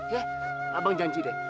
ya abang janji deh